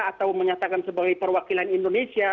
atau menyatakan sebagai perwakilan indonesia